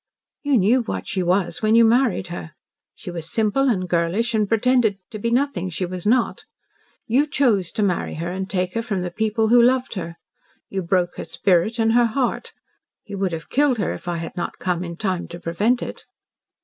"You knew what she was when you married her. She was simple and girlish and pretended to be nothing she was not. You chose to marry her and take her from the people who loved her. You broke her spirit and her heart. You would have killed her if I had not come in time to prevent it."